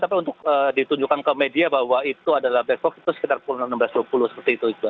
tapi untuk ditunjukkan ke media bahwa itu adalah black box itu sekitar pukul enam belas dua puluh seperti itu iqbal